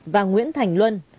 và nguyễn thành luân